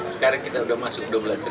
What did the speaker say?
sekarang kita sudah masuk dua belas